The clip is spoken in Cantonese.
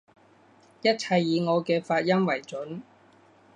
一切以我嘅發音爲準